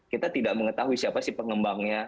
kita tidak mengetahui siapa sih pengembangnya